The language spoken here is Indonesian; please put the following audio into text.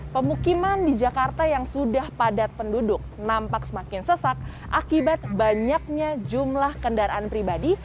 pemukiman di jakarta yang sudah padat penduduk nampak semakin sesak akibat banyaknya jumlah kendaraan pribadi